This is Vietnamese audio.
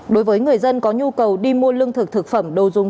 đối với người dân có nhu cầu đi mua lương thực thực phẩm đồ dùng